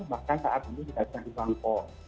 bahkan saat ini juga sudah dibangkok